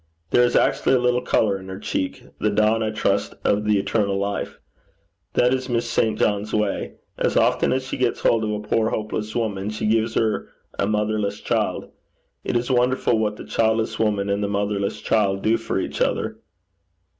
There is actually a little colour in her cheek the dawn, I trust, of the eternal life. That is Miss St. John's way. As often as she gets hold of a poor hopeless woman, she gives her a motherless child. It is wonderful what the childless woman and motherless child do for each other.'